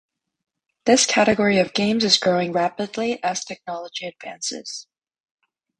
This category of games is growing rapidly as technology advances.